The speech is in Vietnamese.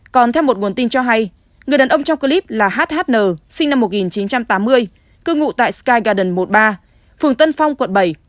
còn theo một nguồn tin cho hay người đàn ông trong clip là hhn sinh năm một nghìn chín trăm tám mươi cư ngụ tại sky garden một mươi ba phường tân phong quận bảy